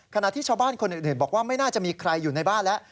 ขณะที่ชาวบ้านคนอื่นบอกว่าไม่น่าจะมีใครอยู่ในบ้านแล้ว